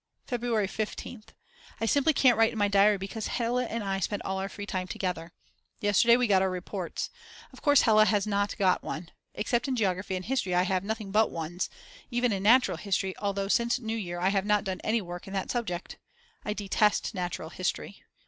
February 15th. I simply can't write my diary because Hella and I spend all our free time together. Yesterday we got our reports. Of course Hella has not got one. Except in Geography and History I have nothing but Ones, even in Natural History although since New Year I have not done any work in that subject. I detest Natural History.